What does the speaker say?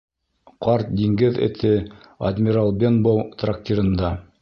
ҠАРТ ДИҢГЕҘ ЭТЕ «АДМИРАЛ БЕНБОУ» ТРАКТИРЫНДА